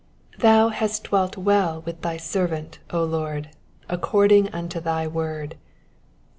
THOU hast dealt well with thy servant, O Lord, according unto thy word.